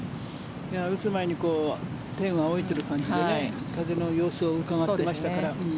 打つ前に天を仰いでいる感じで風の様子をうかがっていましたから。